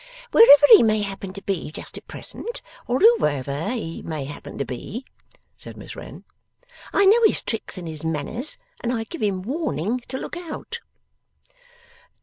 'Wherever he may happen to be just at present, or whoever he may happen to be,' said Miss Wren, 'I know his tricks and his manners, and I give him warning to look out.